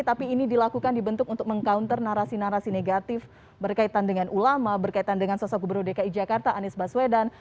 tapi ini dilakukan dibentuk untuk meng counter narasi narasi negatif berkaitan dengan ulama berkaitan dengan sosok gubernur dki jakarta anies baswedan